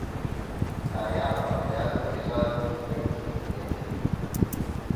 La ea apelează deja dizidenții chinezi.